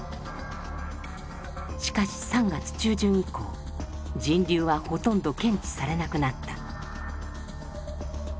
しかし３月中旬以降人流はほとんど検知されなくなった。